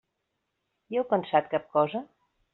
Hi heu pensat cap cosa?